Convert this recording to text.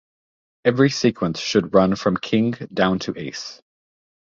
Every sequence should run from King down to Ace.